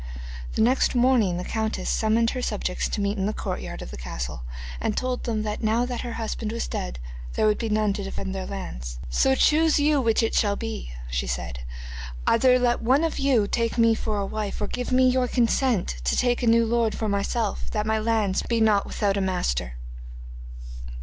The next morning the countess summoned her subjects to meet in the courtyard of the castle, and told them that now that her husband was dead there was none to defend her lands. 'So choose you which it shall be,' she said. 'Either let one of you take me for a wife, or give me your consent to take a new lord for myself, that my lands be not without a master.